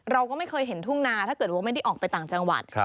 เราก็ไม่เคยเห็นทุ่งนาถ้าเกิดว่าไม่ได้ออกไปต่างจังหวัด